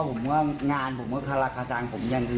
พอผมว่างานมื้อฆารฆาตค่าชายน้องหญิง